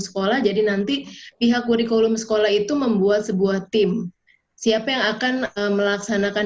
sekolah jadi nanti pihak kurikulum sekolah itu membuat sebuah tim siapa yang akan melaksanakan